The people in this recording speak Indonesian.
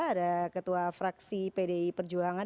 ada ketua fraksi pdi perjuangan